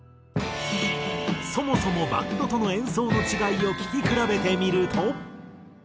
そもそもバンドとの演奏の違いを聴き比べてみると。